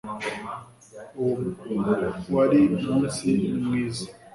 uwo wari umunsi nimwiza